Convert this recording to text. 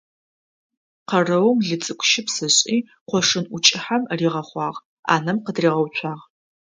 Къэрэум лыцӀыкӀущыпс ышӀи, къошын ӀукӀыхьэм ригъэхъуагъ, Ӏанэм къытригъэуцуагъ.